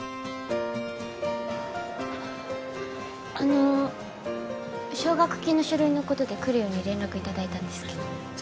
あの奨学金の書類のことで来るように連絡いただいたんですけどじゃ